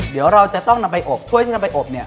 เดี๋ยวเราจะต้องนำไปอบถ้วยที่นำไปอบเนี่ย